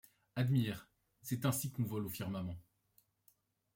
Admire. C'est ainsi qu'on vole au firmament.